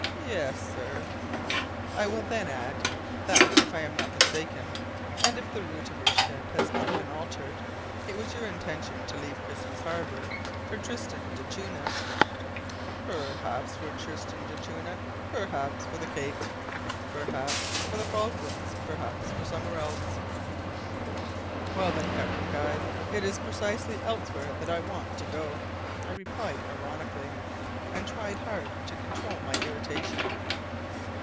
"Yes, sir." "I will then add that, if I am not mistaken, and if the route of your ship has not been altered, it was your intention to leave Christmas Harbour for Tristan d'Acunha." "Perhaps for Tristan d'Acunha, perhaps for the Cape, perhaps for the Falklands, perhaps for elsewhere." "Well, then, Captain Guy, it is precisely elsewhere that I want to go," I replied ironically, and trying hard to control my irritation.